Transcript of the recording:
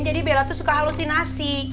jadi bella tuh suka halusinasi